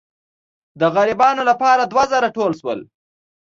د غریبانو لپاره دوه زره ټول شول.